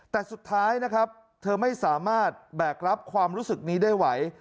แต่สุดท้ายนะครับเธอไม่สามารถแบกรับความรู้สึกนี้ได้ไหว